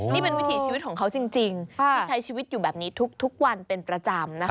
นี่เป็นวิถีชีวิตของเขาจริงที่ใช้ชีวิตอยู่แบบนี้ทุกวันเป็นประจำนะคะ